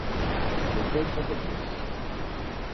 Defensa de tres.